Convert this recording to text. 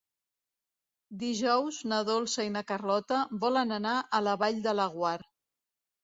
Dijous na Dolça i na Carlota volen anar a la Vall de Laguar.